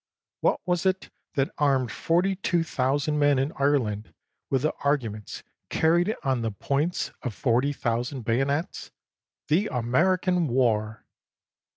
What was it that armed forty two thousand men in Ireland with the arguments carried on the points of forty thousand bayonets? The American war!